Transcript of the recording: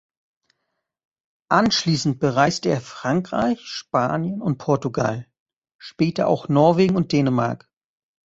Anschließend bereiste er Frankreich, Spanien und Portugal, später auch Norwegen und Dänemark.